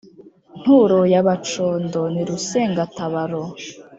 Nturo ya Bacondo ni Rusengatabaro